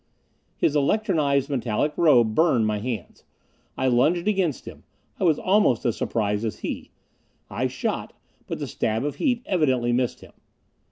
His electronized metallic robe burned my hands. I lunged against him I was almost as surprised as he. I shot, but the stab of heat evidently missed him.